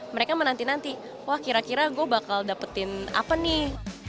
mereka menanti nanti wah kira kira gue bakal dapetin apa nih